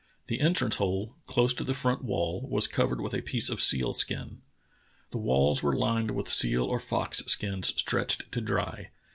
The entrance hole, close to the front wall, was covered with a piece of seal skin. The walls were lined with seal or fox skins stretched to dry.